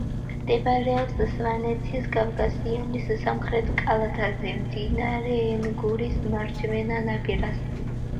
მდებარეობს სვანეთის კავკასიონის სამხრეთ კალთაზე, მდინარე ენგურის მარჯვენა ნაპირას.